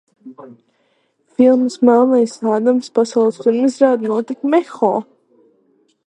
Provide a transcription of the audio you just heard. "Filmas "Melnais Ādams" pasaules pirmizrāde notika Mehiko."